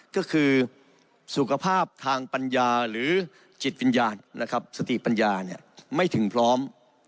ก็คือสุขภาพทางปัญญาหรือจิตวิญญาณนะครับสติปัญญาไม่ถึงพร้อม